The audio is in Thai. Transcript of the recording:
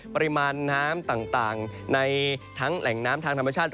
ปริมาณน้ำต่างในทั้งแหล่งน้ำทางธรรมชาติ